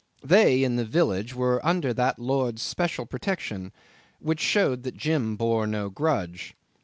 They, in the village, were under that lord's special protection, which showed that Jim bore no grudge.